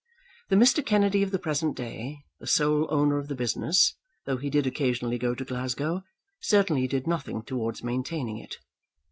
The Mr. Kennedy of the present day, the sole owner of the business, though he did occasionally go to Glasgow, certainly did nothing towards maintaining it.